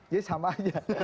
jadi sama aja